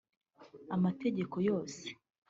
amategeko yose